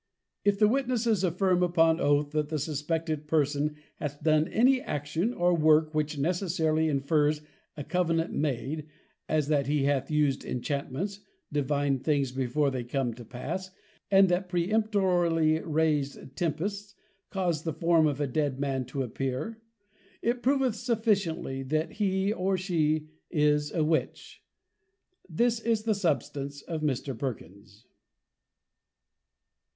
_If the witnesses affirm upon Oath, that the suspected person hath done any action or work which necessarily infers a Covenant made, as, that he hath used Enchantments, divined things before they come to pass, and that peremptorily, raised Tempests, caused the Form of a dead man to appear; it proveth sufficiently, that he or she is a +Witch+._ This is the Substance of Mr. Perkins.